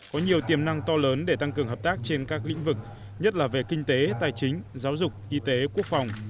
có nhiều tiềm năng to lớn để tăng cường hợp tác trên các lĩnh vực nhất là về kinh tế tài chính giáo dục y tế quốc phòng